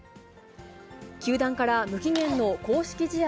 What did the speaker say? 球団から、無期限の公式試合